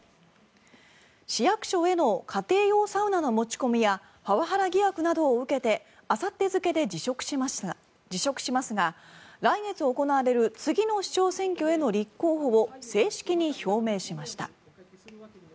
市役所への家庭用サウナの持ち込みやパワハラ疑惑などを受けてあさって付で辞職しますが来月行われる次の市長選への立候補を正式に表明しました。